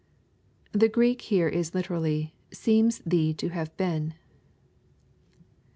] The Greek here is literally, "seems to thee to have been."